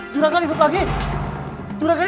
juragan hidup lagi